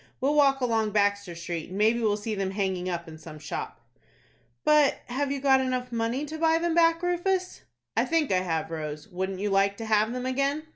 We'll walk along Baxter Street, and maybe we'll see them hanging up in some shop." "But have you got money enough to buy them back, Rufus?" "I think I have, Rose. Wouldn't you like to have them again?"